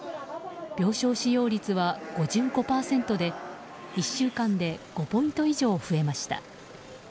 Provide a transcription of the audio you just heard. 病床使用率は５５％で１週間で５ポイント以上増えました。